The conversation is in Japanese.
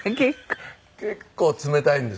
結構冷たいんですね。